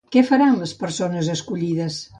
Què faran les persones escollides?